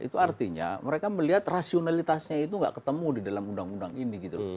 itu artinya mereka melihat rasionalitasnya itu nggak ketemu di dalam undang undang ini gitu